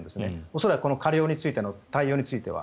恐らく過料についての対応については。